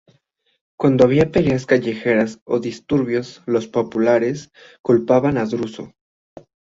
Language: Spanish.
Cuando había peleas callejeras o disturbios, los "populares" culpaban a Druso.